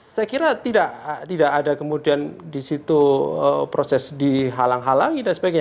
saya kira tidak ada kemudian di situ proses dihalang halangi dan sebagainya